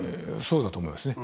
そうだと思いますね。